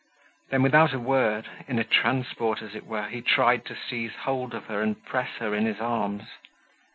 Then without a word, in a transport as it were, he tried to seize hold of her and press her in his arms.